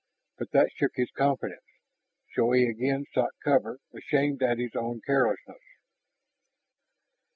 But that shook his confidence, so he again sought cover, ashamed at his own carelessness.